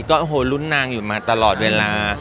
ก็โอ้โหลุ้นนางอยู่มาตลอดเวลา